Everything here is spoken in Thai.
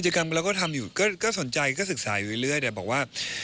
กรรมเราก็ทำอยู่ก็สนใจก็ศึกษาอยู่เรื่อยแต่บอกว่า